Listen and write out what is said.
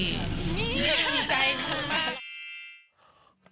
ดีใจมาก